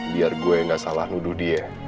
biar gue ga salah nuduh dia